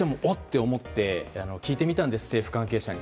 て思って聞いてみたんです、政府関係者に。